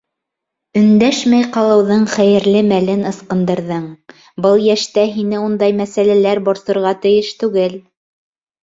Өндәшмәй ҡалыуҙың хәйерле мәлен ысҡындырҙың, Был йәштә һине ундай мәсьәләләр борсорға тейеш түгел.